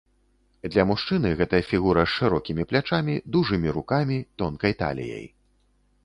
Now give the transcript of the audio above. Для мужчыны гэта фігура з шырокімі плячамі, дужымі рукамі, тонкай таліяй.